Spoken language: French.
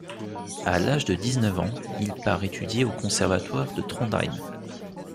À l'âge de dix-neuf ans, il part étudier au conservatoire de Trondheim.